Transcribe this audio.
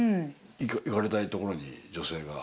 行かれたいところに女性が。